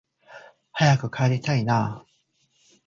早く帰りたいなあ